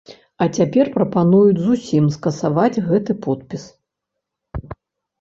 А цяпер прапануюць зусім скасаваць гэты подпіс.